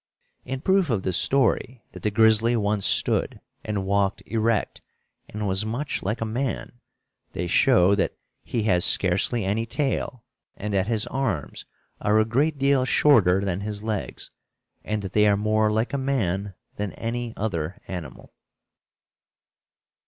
In proof of the story that the grizzly once stood and walked erect and was much like a man, they show that he has scarcely any tail, and that his arms are a great deal shorter than his legs, and that they are more like a man than any other animal.